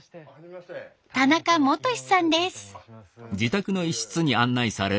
田中基史さんです。